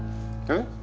えっ？